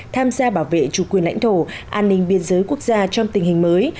tham gia bảo vệ chủ quyền lãnh thổ an ninh biên giới quốc gia trong tình hình mới